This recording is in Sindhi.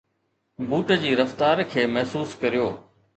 بوٽ جي رفتار کي محسوس ڪريو